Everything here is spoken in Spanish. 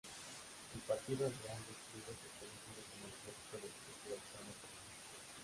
El partido entre ambos clubes es conocido como el Clásico del fútbol sala peruano.